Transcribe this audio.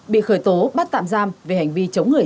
bị khởi tố bắt tạm giam về hành vi chống người